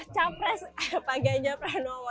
capres pak ganjar pranowo